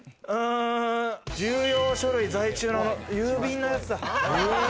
重要書類在中の郵便のやつだ。